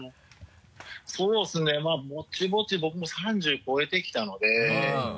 そうですねまぁぼちぼち僕も３０超えてきたので。